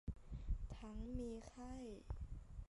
ทั้งมีไข้